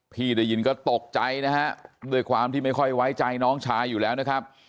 พี่ได้ยินก็ตกใจนะฮะด้วยความที่ไม่ค่อยไว้ใจน้องชายอยู่แล้วนะครับ